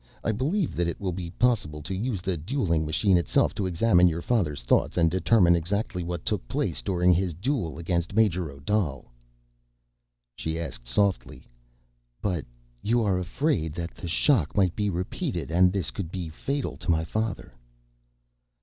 "I believe that it will be possible to use the dueling machine itself to examine your father's thoughts and determine exactly what took place during his duel against Major Odal!" She asked softly, "But you are afraid that the shock might be repeated, and this could be fatal to my father?"